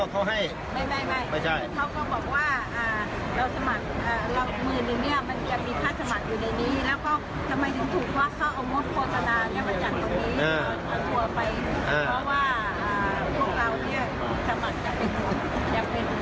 อ่าเอาตัวไปอ่าเพราะว่าอ่าพวกเราเนี้ยสมัครจะเป็นอยากเป็น